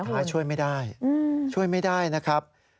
ท้ายช่วยไม่ได้ช่วยไม่ได้นะครับ